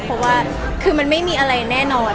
เพราะว่ามันมีอะไรแน่นอน